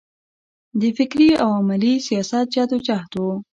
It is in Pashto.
د فکري او عملي سیاست جدوجهد و.